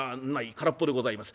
空っぽでございます。